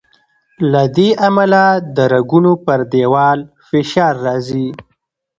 له دې امله د رګونو پر دیوال فشار راځي.